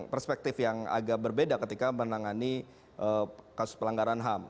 perspektif yang agak berbeda ketika menangani kasus pelanggaran ham